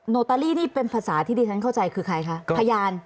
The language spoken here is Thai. ลอตเตอรี่นี่เป็นภาษาที่ดิฉันเข้าใจคือใครคะพยาน